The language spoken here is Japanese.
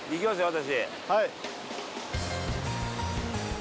私。